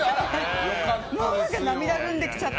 何か、涙ぐんできちゃった。